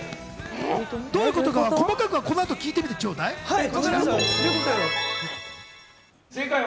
どういうことか、細かいことはこの後、聞いてみてちょうだい。